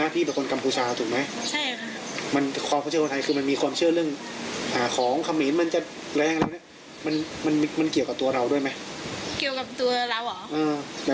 ที่ผ่านมาตัวของจ้นกล้าเค้าเคยมีปัญหาอะไรกับใครไหม